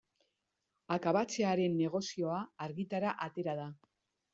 Akabatzearen negozioa argitara atera da.